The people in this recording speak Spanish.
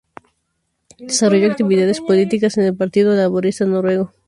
Desarrolló actividades políticas en el Partido Laborista Noruego.